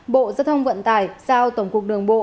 bộ giao thông vận tải giao tổng cục đường bộ